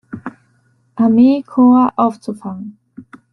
Armeekorps aufzufangen.